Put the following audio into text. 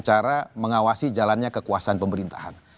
cara mengawasi jalannya kekuasaan pemerintahan